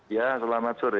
ya selamat sore